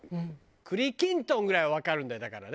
栗きんとんぐらいはわかるんだよだからね。